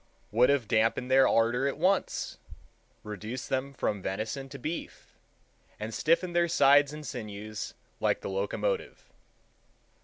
would have damped their ardor at once, reduced them from venison to beef, and stiffened their sides and sinews like the locomotive.